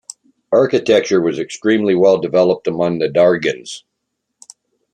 Architecture was extremely well developed among the Dargins.